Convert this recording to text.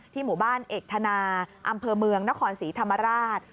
หมู่บ้านเอกธนาอำเภอเมืองนครศรีธรรมราช